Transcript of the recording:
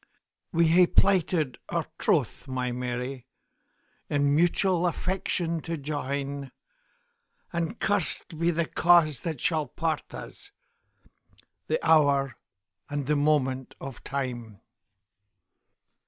We hae plighted our troth, my Mary, In mutual affection to join; And curst be the cause that shall part us! The hour and the moment o' time!